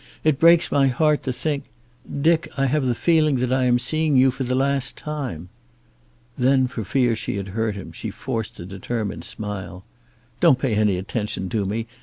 "It breaks my heart to think Dick, I have the feeling that I am seeing you for the last time." Then for fear she had hurt him she forced a determined smile. "Don't pay any attention to me.